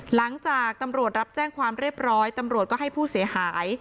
หลังจากตำรวจรับแจ้งความเรียบร้อยตำรวจก็ให้ผู้เสียหาย